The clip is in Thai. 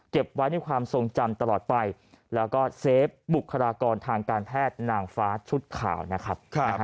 ไว้ในความทรงจำตลอดไปแล้วก็เซฟบุคลากรทางการแพทย์นางฟ้าชุดข่าวนะครับ